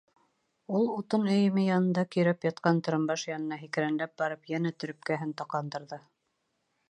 Ул, утын өйөмө янында көйрәп ятҡан торомбаш янына һикерәнләп барып, йәнә төрөпкәһен тоҡандырҙы.